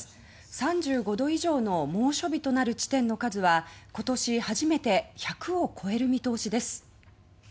３５度以上の猛暑日となる地点の数は今年初めて１００を超える見通しです。